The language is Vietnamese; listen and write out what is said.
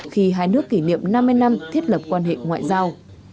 khi hai nước kỷ niệm năm mươi năm thiết lập quan hệ ngoại giao